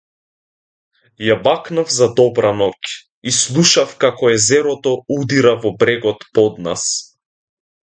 Ја бакнав за добра ноќ и слушав како езерото удира во брегот под нас.